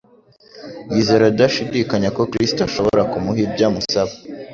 yizera adashidikanya ko Kristo ashobora kumuha ibyo amusaba.